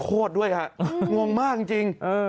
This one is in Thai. โคตรด้วยฮะงงงงมากจริงจริงอืม